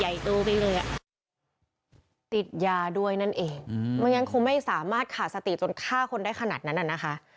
ไปเลยอ่ะติดยาด้วยนั่นเองไม่งั้นคงไม่สามารถขาดสติจนฆ่าคนได้ขนาดนั้นน่ะนะคะ